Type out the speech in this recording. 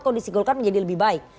kondisi golkar menjadi lebih baik